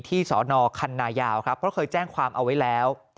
ที่ศนคันนายาวเพราะเคยแจ้งความเอาไว้แล้ว